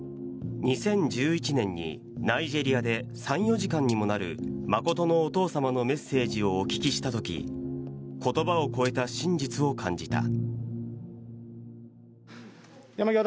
２０１１年にナイジェリアで３４時間にもなる真のお父様のメッセージをお聞きした時言葉を超えた真実を感じた。